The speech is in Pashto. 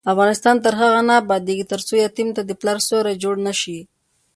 افغانستان تر هغو نه ابادیږي، ترڅو یتیم ته د پلار سیوری جوړ نشي.